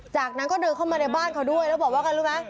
จากนั้นก็เดินเข้ามาในบ้านเขาด้วยแล้วบอกว่ากันรู้ไหม